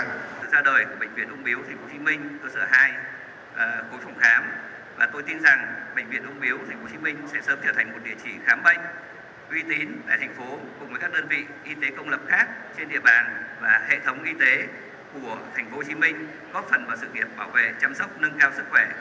từ ra đời của bệnh viện ung bú tp hcm cơ sở hai cột phòng khám và tôi tin rằng bệnh viện ung bú tp hcm sẽ sớm trở thành một địa chỉ khám bệnh uy tín để thành phố cùng với các đơn vị y tế công lập khác trên địa bàn và hệ thống y tế của tp hcm góp phần vào sự nghiệp bảo vệ chăm sóc nâng cao sức khỏe người dân cho tp hcm nói riêng và khu vực việt nam nói chung